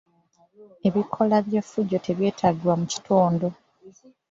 Ebikolwa by'effujjo tebyetaagibwa mu kitundu.